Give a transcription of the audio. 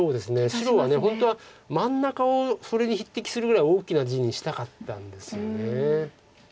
白は本当は真ん中をそれに匹敵するぐらい大きな地にしたかったんですよね。